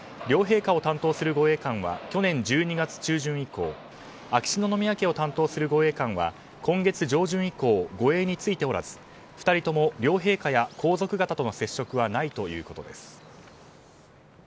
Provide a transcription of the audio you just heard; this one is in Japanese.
両陛下を担当する護衛官は去年１２月中旬以降秋篠宮家を担当する護衛官が今月上旬以降護衛についておらず２人とも両陛下や皇族方との接触はないということです。